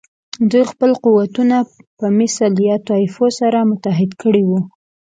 دوی خپل قوتونه په مثل یا طایفو سره متحد کړي وو.